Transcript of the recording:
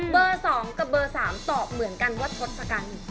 ๒กับเบอร์๓ตอบเหมือนกันว่าทศกัณฐ์